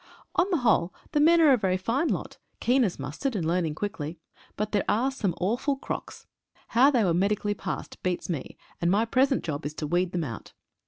On the whole the men are a very fine lot, keen as mustard, and learning quickly. But there are some awful crocks. How they were medically passed beats me, and my present job is to weed them out.